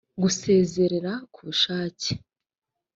gusezera k ubushake